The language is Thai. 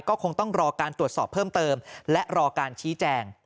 ก็คงต้องรอการตรวจสอบเพิ่มเติมและรอการชี้แจง